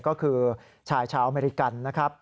ก็คือชายชาวอเมริกัน